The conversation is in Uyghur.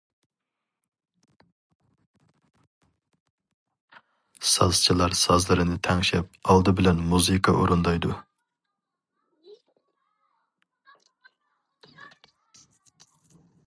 سازچىلار سازلىرىنى تەڭشەپ ئالدى بىلەن مۇزىكا ئورۇندايدۇ.